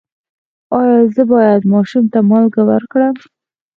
ایا زه باید ماشوم ته مالګه ورکړم؟